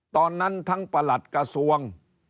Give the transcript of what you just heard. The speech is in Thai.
ตอนนั้นทั้งประหลัดกระทรวง